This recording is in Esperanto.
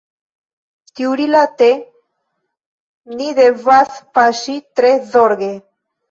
Tiurilate ni devas paŝi tre zorge.